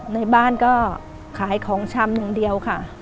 ในบ้านก็ขายของชำอย่างเดียวค่ะ